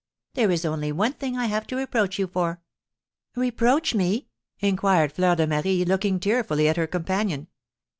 "There is only one thing I have to reproach you for." "Reproach me?" inquired Fleur de Marie, looking tearfully at her companion.